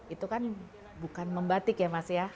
itu kan bukan membatik ya mas ya